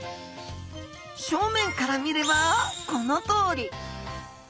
正面から見ればこのとおり。